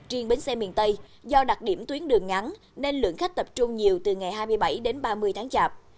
riêng bến xe miền tây do đặc điểm tuyến đường ngắn nên lượng khách tập trung nhiều từ ngày hai mươi bảy đến ba mươi tháng chạp